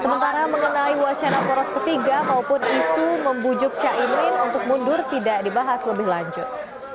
sementara mengenai wacana poros ketiga maupun isu membujuk caimin untuk mundur tidak dibahas lebih lanjut